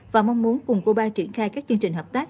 và mong muốn cùng cuba triển khai các chương trình hợp tác